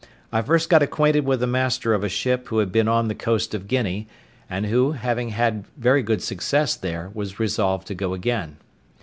I first got acquainted with the master of a ship who had been on the coast of Guinea; and who, having had very good success there, was resolved to go again.